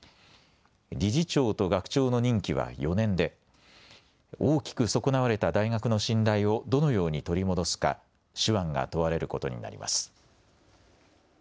理事長と学長の任期は４年で大きく損なわれた大学の信頼をどのように取り戻すか手腕が問われることになります。